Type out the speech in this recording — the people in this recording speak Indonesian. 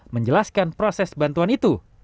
menjelaskan proses bantuan itu